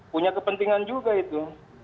punya kepentingan juga itu